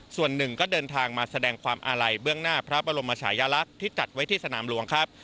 ส่วนหนึ่งก็เดินทางมาแสดงความอาลัยเบื้องหน้าพระบรมชายลักษณ์ที่จัดไว้ที่สนามหลวงครับ